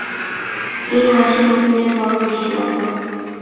এই হাসি নবীনের বড়ো মিষ্টি লাগল।